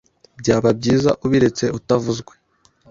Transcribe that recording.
Byaba byiza ubiretse utavuzwe.